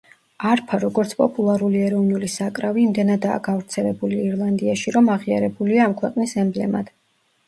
არფა, როგორც პოპულარული ეროვნული საკრავი, იმდენადაა გავრცელებული ირლანდიაში, რომ აღიარებულია ამ ქვეყნის ემბლემად.